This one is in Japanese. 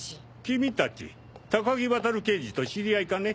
君たち高木渉刑事と知り合いかね？